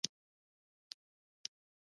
مصنوعي ځیرکتیا د تدریس انعطاف زیاتوي.